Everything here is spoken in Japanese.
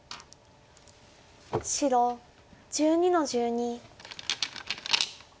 白１２の十二。